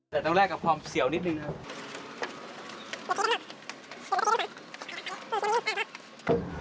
แต่ต้องแลกกับความเสียวนิดนึงนะครับ